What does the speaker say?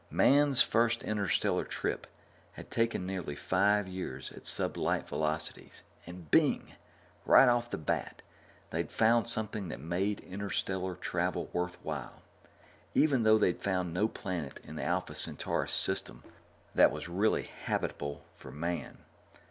Man's first interstellar trip had taken nearly five years at sublight velocities, and bing! right off the bat, they'd found something that made interstellar travel worthwhile, even though they'd found no planet in the Alpha Centaurus system that was really habitable for man.